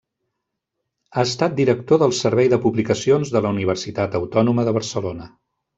Ha estat director del Servei de Publicacions de la Universitat Autònoma de Barcelona.